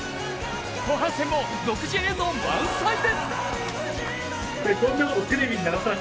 後半戦も独自映像満載です。